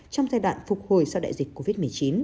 trong giai đoạn phục hồi sau đại dịch covid một mươi chín